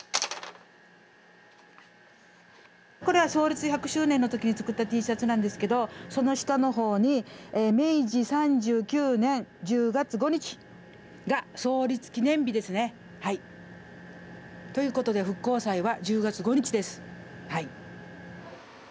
これは創立１００周年の時に作ったＴシャツなんですけどその下の方に「明治三十九年十月五日」が創立記念日ですね。ということで復興祭は１０月５日です。